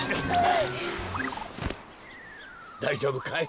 だいじょうぶかい？